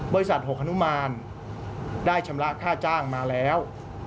บริษัทหกฮนุมานได้ชำระค่าจ้างมาแล้ว